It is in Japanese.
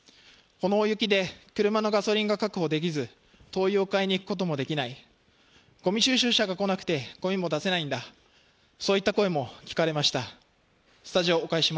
この大雪で車のガソリンが確保できず、灯油を買いに行くこともできない、ごみ収集車が来なくて、ごみも出せないといった声も聞かれました。